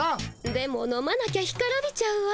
でも飲まなきゃ干からびちゃうわ。